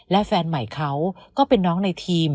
และแฟนใหม่เขาก็เป็นน้องในทีม